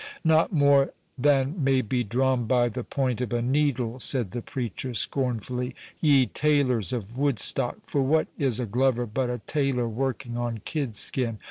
"Not more than may be drawn by the point of a needle," said the preacher, scornfully.—"Ye tailors of Woodstock!—for what is a glover but a tailor working on kidskin?